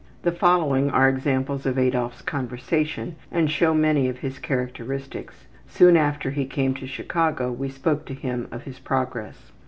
The following are examples of Adolf's conversation and show many of his characteristics: (Soon after he came to Chicago we spoke to him of his progress.)